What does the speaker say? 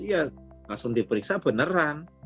iya langsung diperiksa beneran